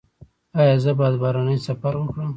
ایا زه باید بهرنی سفر وکړم؟